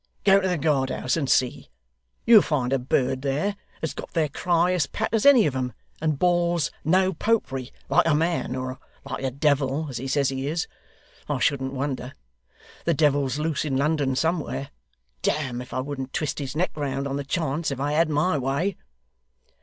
'Go to the guard house, and see. You'll find a bird there, that's got their cry as pat as any of 'em, and bawls "No Popery," like a man or like a devil, as he says he is. I shouldn't wonder. The devil's loose in London somewhere. Damme if I wouldn't twist his neck round, on the chance, if I had MY way.